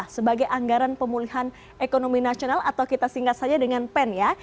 sebagai anggaran pemulihan ekonomi nasional atau kita singkat saja dengan pen ya